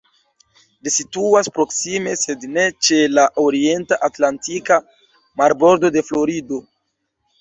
Ĝi situas proksime, sed ne ĉe la orienta atlantika marbordo de Florido.